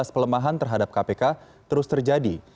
pelemahan terhadap kpk terus terjadi